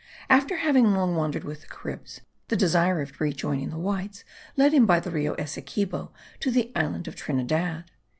After having long wandered with the Caribs, the desire of rejoining the Whites led him by the Rio Essequibo to the island of Trinidad.